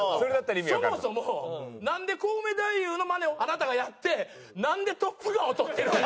「そもそもなんでコウメ太夫のマネをあなたがやってなんで『トップガン』を撮ってるんだ？」